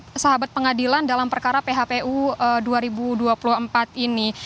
sahabat pengadilan dalam perkara phpu dua ribu dua puluh empat ini